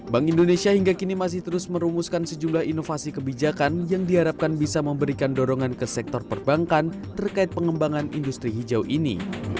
bank indonesia hingga kini masih terus merumuskan sejumlah inovasi kebijakan yang diharapkan bisa memberikan dorongan ke sektor perbankan terkait pengembangan industri hijau ini